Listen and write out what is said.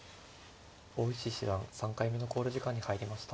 大石七段３回目の考慮時間に入りました。